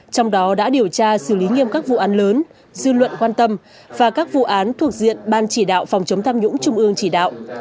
trong đó đã điều tra xử lý nghiêm các vụ án lớn dư luận quan tâm và các vụ án thuộc diện ban chỉ đạo phòng chống tham nhũng trung ương chỉ đạo